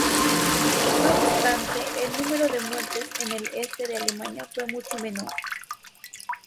No obstante, el número de muertes en el este de Alemania fue mucho menor.